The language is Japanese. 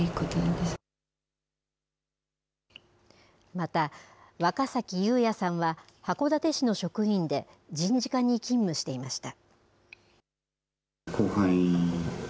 また、若崎友哉さんは、函館市の職員で、人事課に勤務していました。